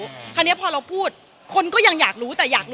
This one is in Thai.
คราวนี้พอเราพูดคนก็ยังอยากรู้